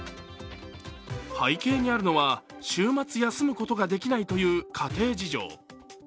背景にあるのは週末休むことができないという家庭事情。